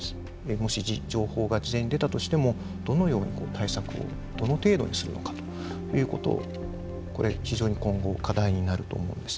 もし情報が事前に出たとしてもどのように対策をどの程度にするのかということをこれ非常に今後課題になると思うんです。